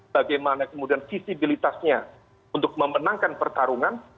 bagaimana kemudian visibilitasnya untuk memenangkan pertarungan